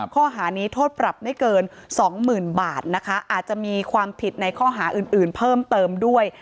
ข้อหานี้โทษปรับไม่เกินสองหมื่นบาทนะคะอาจจะมีความผิดในข้อหาอื่นเพิ่มเติมด้วย